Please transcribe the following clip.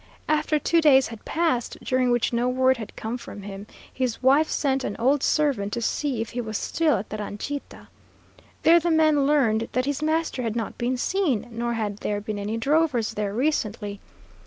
After two days had passed, during which no word had come from him, his wife sent an old servant to see if he was still at the ranchita. There the man learned that his master had not been seen, nor had there been any drovers there recently.